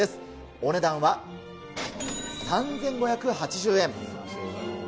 お値段は３５８０円。